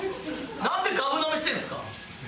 なんでがぶ飲みしてるんですか？